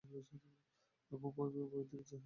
অপু ভয়ে ভয়ে উপরের দিকে চাহিয়া দেখিল।